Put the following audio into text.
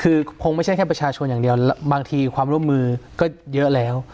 คือคงไม่ใช่แค่ประชาชนอย่างเดียวบางทีความร่วมมือก็เยอะแล้ว